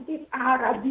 aradien itu adalah inaktif